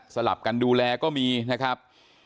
ลับกันดูแลก็มีนะครับ